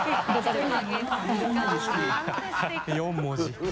４文字。